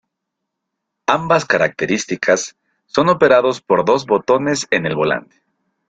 Ambas características son operados por dos botones en el volante.